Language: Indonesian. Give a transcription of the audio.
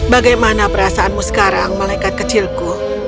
bagaimana perasaanmu sekarang melekat kecilku